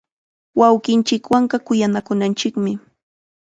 Wawqinchikwanqa kuyanakunanchikmi.